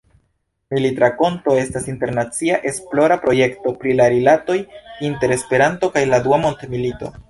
Militrakonto estas internacia esplora projekto pri la rilatoj inter Esperanto kaj la Dua Mondmilito.